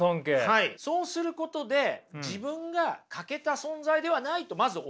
はいそうすることで自分が欠けた存在ではないとまず思える。